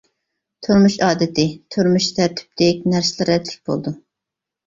تۇرمۇش ئادىتى: تۇرمۇشى تەرتىپلىك، نەرسىلىرى رەتلىك بولىدۇ.